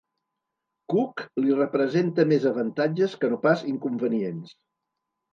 Cook li representa més avantatges que no pas inconvenients.